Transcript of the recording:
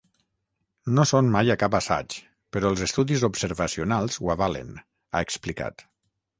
No són mai a cap assaig, però els estudis observacionals ho avalen, ha explicat.